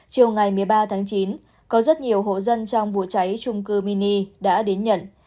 chiều ngày một mươi ba tháng chín có rất nhiều hộ dân trong vụ cháy trung cư mini đã đến nhận